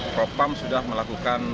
propam sudah melakukan